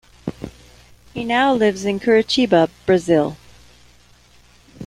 He now lives in Curitiba, Brazil.